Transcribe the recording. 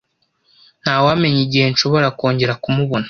Ntawamenya igihe nshobora kongera kumubona.